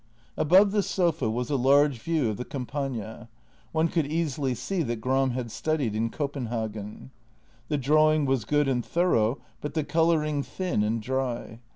Above the sofa was a large view of the Campagna; one could easily see that Gram had studied in Copenhagen. The drawing was good and thorough, but the colouring thin and dry.